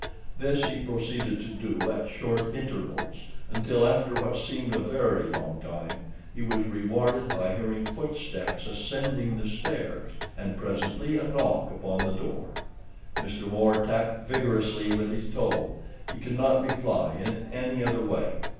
This he proceeded to do at short intervals, until, after what seemed a very long time, he was rewarded by hearing footsteps ascending the stairs, and presently a knock upon the door. Mr. Moore tapped vigorously with his toe—he could not reply in any other way.